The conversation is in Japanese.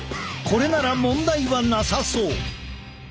これなら問題はなさそう。